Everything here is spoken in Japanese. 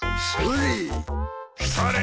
それ！